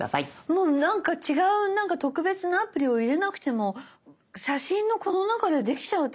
もうなんか違うなんか特別なアプリを入れなくても写真のこの中でできちゃうってことですか？